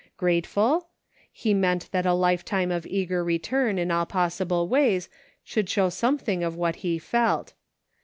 Grateful > He meant that a life time of eager return in all possible ways should show some thing of what he felt.